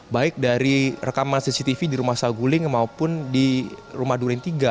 baik dari rekaman cctv di rumah saguling maupun di rumah duren tiga